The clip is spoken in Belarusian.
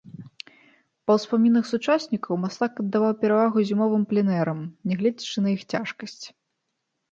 Па ўспамінах сучаснікаў мастак аддаваў перавагу зімовым пленэрам, не гледзячы на іх цяжкасць.